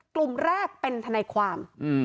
กลุ่มแรกเป็นทนายความ